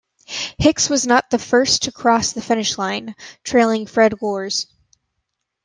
Hicks was not the first to cross the finish line, trailing Fred Lorz.